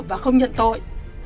và không nhận tội